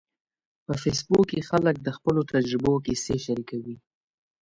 په فېسبوک کې خلک د خپلو تجربو کیسې شریکوي.